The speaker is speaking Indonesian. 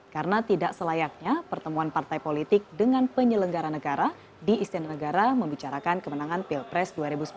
karena tidak selayaknya pertemuan partai politik dengan penyelenggara negara di istana negara membicarakan kemenangan pilpres dua ribu sembilan belas